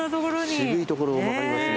渋いところを曲がりますね。